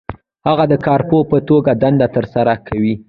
هغه د کارپوه په توګه دنده ترسره کوي.